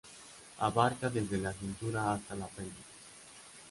Abarca desde la cintura hasta la pelvis.